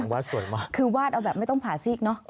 วาดสวยมากคือวาดเอาแบบไม่ต้องผ่าซีกเนอะ